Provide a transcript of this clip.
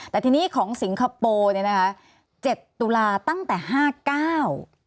แต่ทีนี้ของสิงคโปร์เนี่ยนะคะเจ็ดตุลาตั้งแต่ห้าเก้า